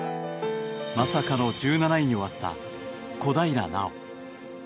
まさかの１７位に終わった小平奈緒。